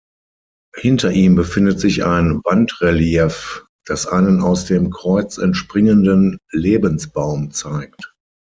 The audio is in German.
Hinter ihm befindet sich ein Wandrelief, das einen aus dem Kreuz entspringenden Lebensbaum zeigt.